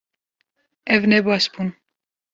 Ew ne baş bûn